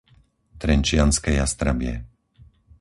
Trenčianske Jastrabie